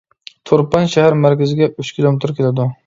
تۇرپان شەھەر مەركىزىگە ئۈچ كىلومېتىر كېلىدۇ.